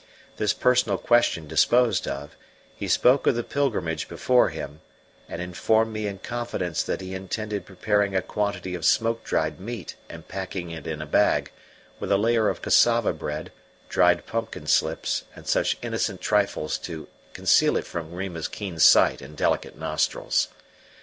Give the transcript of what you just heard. This personal question disposed of, he spoke of the pilgrimage before him, and informed me in confidence that he intended preparing a quantity of smoke dried meat and packing it in a bag, with a layer of cassava bread, dried pumpkin slips, and such innocent trifles to conceal it from Rima's keen sight and delicate nostrils.